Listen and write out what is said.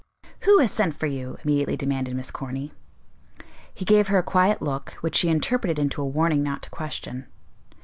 "Who has sent for you;" immediately demanded Miss Corny. He gave her a quiet look which she interpreted into a warning not to question.